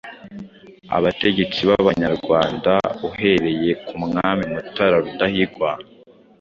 Abategetsi b'Abanyarwanda uhereye ku mwami Mutara Rudahigwa